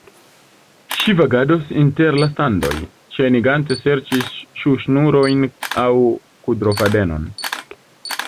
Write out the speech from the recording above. Ŝi vagados inter la standoj, ŝajnigante serĉi ŝuŝnurojn, aŭ kudrofadenon.